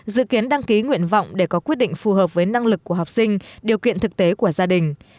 dự kiến đăng ký nguyện vọng để có quyết định phù hợp với năng lực của học sinh điều kiện thực tế của gia đình